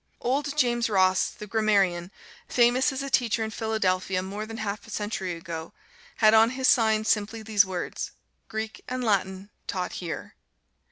Old James Ross, the grammarian, famous as a teacher in Philadelphia more than half a century ago, had on his sign simply these words, "Greek and Latin taught here."